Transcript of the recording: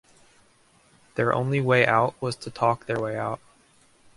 Their only way out was to talk their way out.